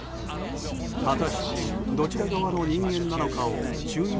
果たしてどちら側の人間なのかを注意